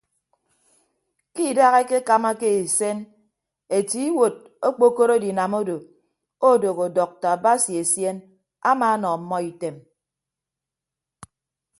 Ke idaha ekekamake isen etie iwuot okpokoro edinam odo odooho dọkta basi esien amaanọ ọmmọ item.